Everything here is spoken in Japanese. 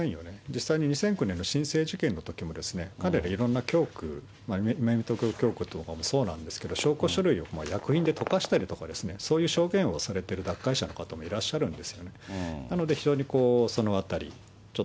実際に２００９年のしんせい事件のときも、彼らが、いろんなきょうく、とかもそうなんですけど、証拠書類を薬品で溶かしたりとか、そういう証言をしている脱会者の方もいらっしゃるんですよね。